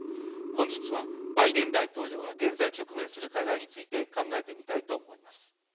本日はバイデン大統領が現在直面する課題について考えてみたいと思います。